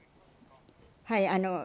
はい。